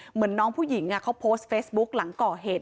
เหมือนน้องผู้หญิงเขาโพสต์เฟซบุ๊กหลังก่อเหตุ